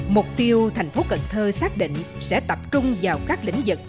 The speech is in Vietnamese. mục tiêu thành phố cần thơ xác định sẽ tập trung vào các lĩnh vực